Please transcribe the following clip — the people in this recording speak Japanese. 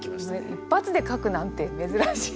一発で書くなんて珍しい。